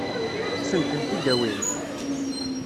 Ad asen-tent-id-tawimt?